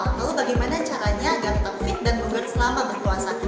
lalu bagaimana caranya agar tetap fit dan bugar selama berpuasa